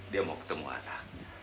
dia mau ketemu anak